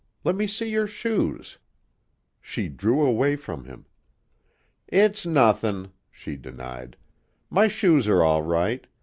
Let me see your shoes." She drew away from him. "It's nothin'," she denied. "My shoes are all right.